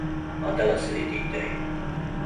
股が擦れて痛い